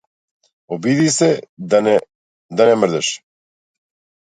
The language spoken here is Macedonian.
Обиди се да не мрдаш.